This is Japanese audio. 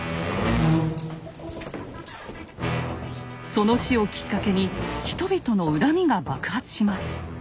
その死をきっかけに人々の恨みが爆発します。